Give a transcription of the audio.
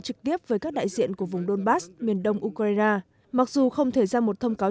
trực tiếp với các đại diện của vùng donbass miền đông ukraine mặc dù không thể ra một thông cáo